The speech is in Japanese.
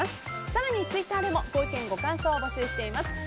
更にツイッターでもご意見、ご感想を募集しています。